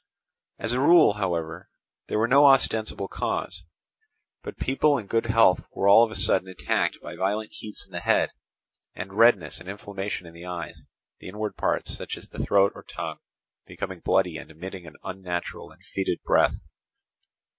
As a rule, however, there was no ostensible cause; but people in good health were all of a sudden attacked by violent heats in the head, and redness and inflammation in the eyes, the inward parts, such as the throat or tongue, becoming bloody and emitting an unnatural and fetid breath.